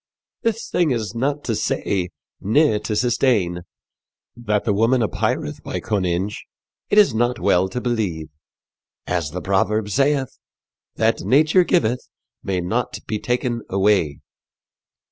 This thing is not to say ne to sustayne. That the woman apayreth by conynge it is not well to beleve. As the proverb saythe, 'that nature gyveth may not be taken away.'"